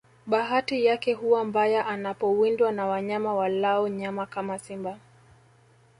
Bahati yake huwa mbaya anapowindwa na wanyama walao nyama kama simba